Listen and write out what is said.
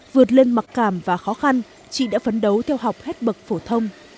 vượt lên mặc cảm và khó khăn chị đã phấn đấu theo học hết bậc phổ thông